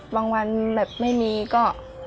วันแบบไม่มีก็